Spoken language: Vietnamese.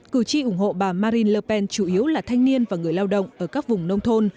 cử tri ủng hộ bà marine lpen chủ yếu là thanh niên và người lao động ở các vùng nông thôn